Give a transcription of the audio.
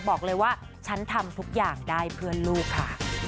บอกเลยว่าฉันทำทุกอย่างได้เพื่อนลูกค่ะ